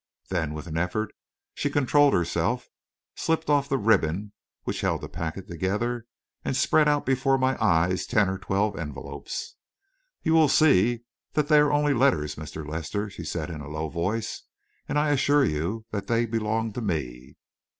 Then, with an effort, she controlled herself, slipped off the ribbon which held the packet together, and spread out before my eyes ten or twelve envelopes. "You will see that they are only letters, Mr. Lester," she said in a low voice, "and I assure you that they belong to me."